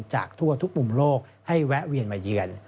จากทั่วทุกมุมโลกให้แวะเวียนมาเยือน